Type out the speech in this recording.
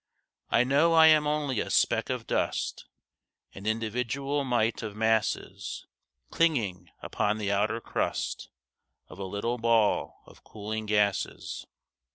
I know I am only a speck of dust, An individual mite of masses, Clinging upon the outer crust Of a little ball of cooling gases.